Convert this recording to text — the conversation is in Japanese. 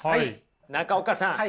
中岡さん